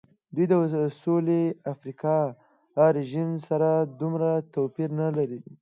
دوی د سوېلي افریقا له رژیم سره دومره توپیر نه و.